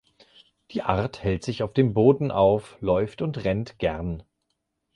Die Art hält sich auf dem Boden auf läuft und rennt gern.